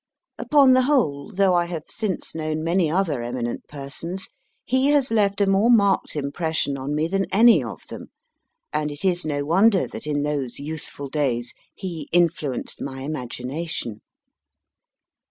Upon the whole, though I have since known many other eminent persons, he has left a more marked impression on me than any of them, and it is no wonder that in those youthful days he influenced my imagination.